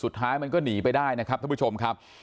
สุดท้ายมันก็หนีไปได้นะครับท่านผู้ชมครับ